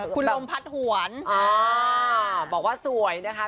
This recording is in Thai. คุณลมพัดหวนบอกว่าสวยนะคะ